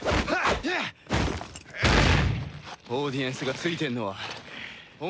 オーディエンスがついてるのはお前だけじゃない！